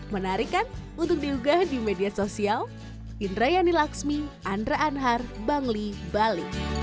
menarik kan untuk diugah di media sosial